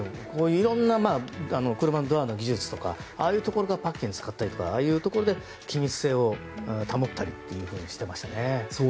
色んな車のドアの技術とかああいうところからパッキン使ったりとかああいうところで気密性を保ったりとしていましたね。